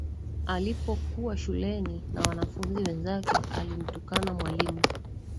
Alipokuwa shuleni na wanafunzi wenzake alimtukana mwalimu